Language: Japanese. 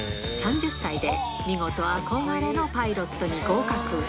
３０歳で見事、憧れのパイロットに合格。